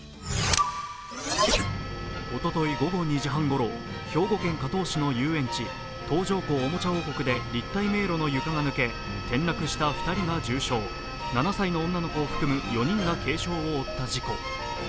おととい午後２時半ごろ、兵庫県加東市の東条湖おもちゃ王国で立体迷路の床が抜け、転落した２人が重傷７歳の女の子を含む４人が軽傷を負った事故。